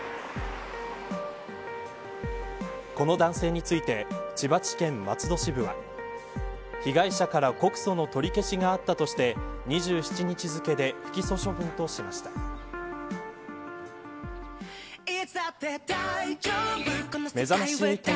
この男性について千葉地検松戸支部は被害者から告訴の取り消しがあったとして２７日付で不起訴処分としました。